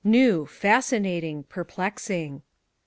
New! Fascinating! Perplexing!